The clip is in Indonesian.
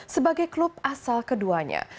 sebagai klub asal keduanya